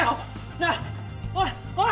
なあおいおい！